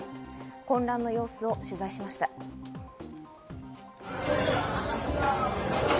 混乱の様子を取材しました。